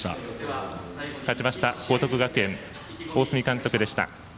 勝ちました報徳学園大角監督でした。